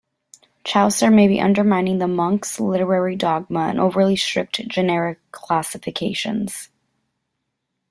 Chaucer may be undermining the Monk's literary dogma and overly-strict generic classifications.